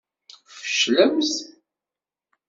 Tfeclemt.